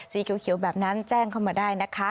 สีเขียวแบบนั้นแจ้งเข้ามาได้นะคะ